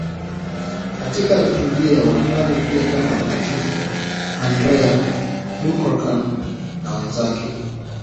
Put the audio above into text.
Katika liturujia wanatajwa pia kama Watakatifu Andrea Dũng-Lạc na wenzake.